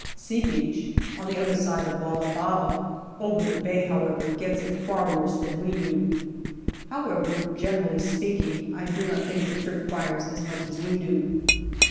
" C " Beach, on the other side of Lala Baba, over the bay, however, gets it far worse than we do. However, generally speaking, I do not think that the Turk fires as much as we do.